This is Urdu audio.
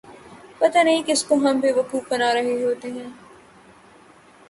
پتہ نہیں کس کو ہم بے وقوف بنا رہے ہوتے ہیں۔